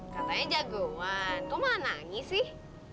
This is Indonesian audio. katanya jagoan kok malah nangis sih